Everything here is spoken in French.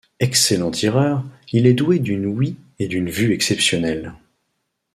Excellent tireur, il est doué d'une ouïe et d'une vue exceptionnelles.